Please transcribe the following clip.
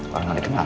orang yang dikenal